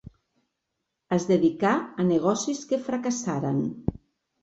Es dedicà a negocis que fracassaren.